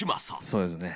そうですね